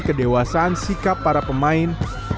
kedewasaan sikai para pemain